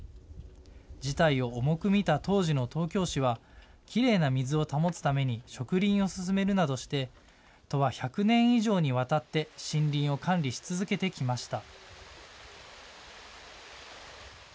事態を重く見た当時の東京市はきれいな水を保つために植林を進めるなどして都は１００年以上にわたって森林を管理し続けてきました。